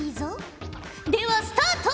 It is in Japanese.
ではスタート！